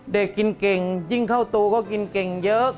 กินเก่งยิ่งเข้าตูก็กินเก่งเยอะ